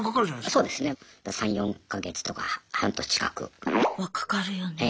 そうですね３４か月とか半年近く。はかかるよね。